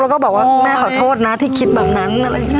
แล้วก็บอกว่าแม่ขอโทษนะที่คิดแบบนั้น